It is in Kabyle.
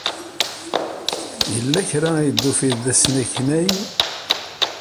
Yella kra ay d-tufid d asneknay?